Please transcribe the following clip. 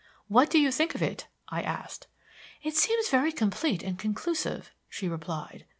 "What do you think of it?" I asked. "It seems very complete and conclusive," she replied.